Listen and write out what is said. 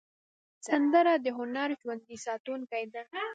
سندره د هنر ژوندي ساتونکی ده